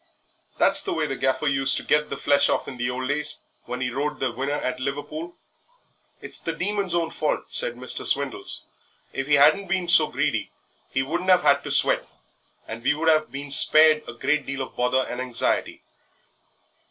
"That's the way the Gaffer used to get the flesh off in the old days when he rode the winner at Liverpool." "It's the Demon's own fault," said Mr. Swindles; "if he hadn't been so greedy he wouldn't have had to sweat, and we should 'ave been spared a deal of bother and anxiety."